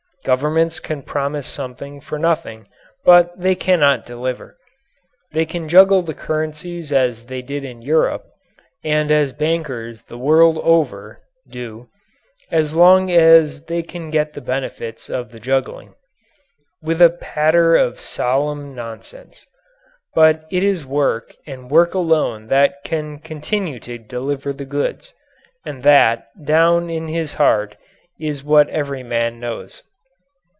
Governments can promise something for nothing but they cannot deliver. They can juggle the currencies as they did in Europe (and as bankers the world over do, as long as they can get the benefit of the juggling) with a patter of solemn nonsense. But it is work and work alone that can continue to deliver the goods and that, down in his heart, is what every man knows.